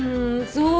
そう。